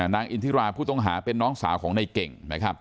นางอินทิราผู้ต้องหาเป็นน้องสาวของนายเก่ง